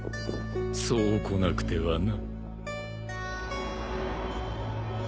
そうこなくてはな。